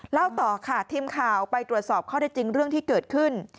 เล่าต่อค่ะทีมข่าวไปตรวจสอบข้อได้จริงเรื่องที่เกิดขึ้น